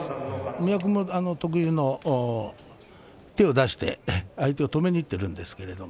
三輪君は得意の手を出して相手を止めにいっているんですけれど。